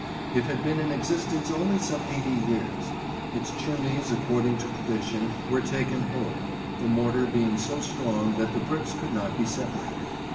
It had been in existence only some eighty years. Its chimneys, according to tradition, were taken whole, the mortar being so strong that the bricks could not be separated.